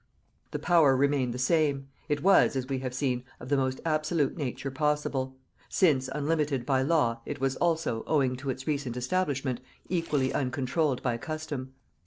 The power remained the same; it was, as we have seen, of the most absolute nature possible; since, unlimited by law, it was also, owing to its recent establishment, equally uncontrolled by custom.